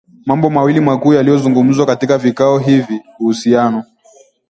Mambo mawili makuu yalizungumziwa katika vikao hivi uhusiano